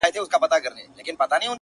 ارغنداو به غاړي غاړي را روان سي٫